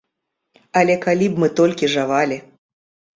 Але калі б мы толькі жавалі!